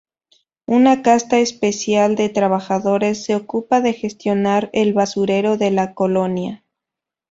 Una casta especial de trabajadores se ocupa de gestionar el basurero de la colonia.